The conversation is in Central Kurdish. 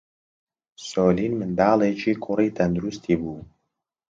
سۆلین منداڵێکی کوڕی تەندروستی بوو.